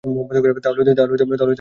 তাহলে হয়ত পাহাড় পছন্দ হতে পারে?